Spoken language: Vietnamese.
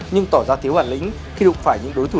nhưng tỏ ra thiếu bản lĩnh khi đụng phải những đối thủ